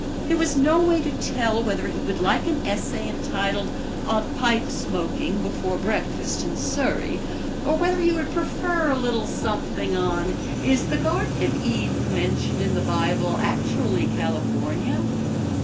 There was no way to tell whether he would like an essay entitled "On Pipe Smoking Before Breakfast in Surrey," or whether he would prefer a little something on "Is the Garden of Eden Mentioned in the Bible Actually California?"